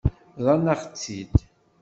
Bḍan-aɣ-tt-id.